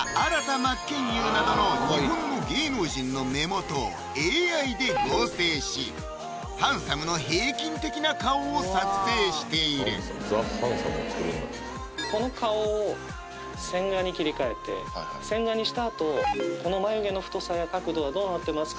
真剣佑などの日本の芸能人の目元をＡＩで合成しハンサムの平均的な顔を作成しているこの顔を線画に切り替えて線画にしたあとこの眉毛の太さや角度どうなってますか？